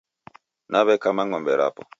Naw'ekama ng'ombe rapo.